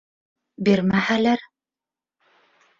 Бирмәһәләр?..